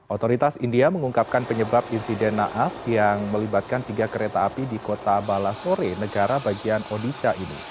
otoritas india mengungkapkan penyebab insiden naas yang melibatkan tiga kereta api di kota balasore negara bagian odisha ini